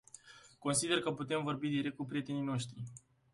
Consider că putem vorbi direct cu prietenii noștri.